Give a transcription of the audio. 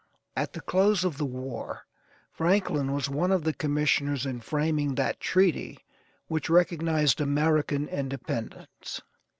At the close of the war Franklin was one of the commissioners in framing that treaty which recognized American independence.